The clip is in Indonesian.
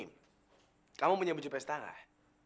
gini kamu punya baju pesta gak